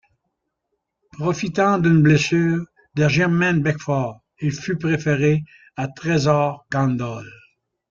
Profitant d'une blessure de Jermaine Beckford, il fut préféré à Trésor Kandol.